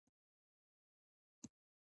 د پوستینونو بازار په ژمي کې څنګه وي؟